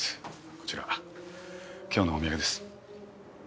こちら今日のお土産です。